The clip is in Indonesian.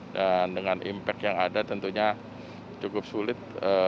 dan dengan impact yang ada tentunya cukup sulit